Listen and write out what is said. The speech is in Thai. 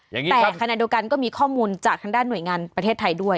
ยังไงแต่ขณะเดียวกันก็มีข้อมูลจากทางด้านหน่วยงานประเทศไทยด้วย